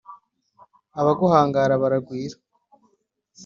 abaguhangara baragwira